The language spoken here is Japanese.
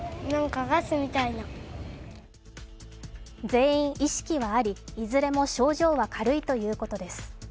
全員、意識はあり、いずれも症状は軽いということです。